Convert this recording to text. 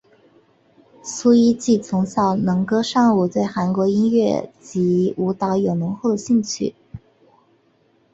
苏一晋从小能歌善舞对韩国音乐及舞蹈有浓厚的兴趣。